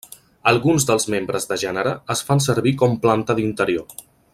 Alguns dels membres de gènere es fan servir com planta d'interior.